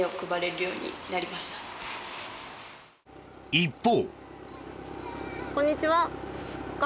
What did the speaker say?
一方。